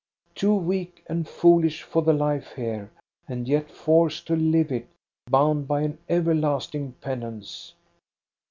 Too weak and foolish for the life here, and yet forced to live it, bound by an everlasting penance."